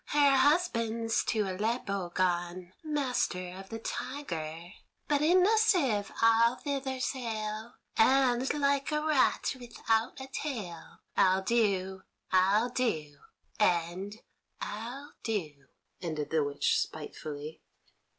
Her husband's to Aleppo gone, master of the Tiger; but in a sieve I'll thither sail, and, like a rat without a tail, I'll do, I'll do, and I'll do," ended the witch spitefully.